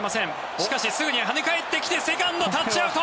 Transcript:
しかしすぐに跳ね返ってきてセカンド、タッチアウト！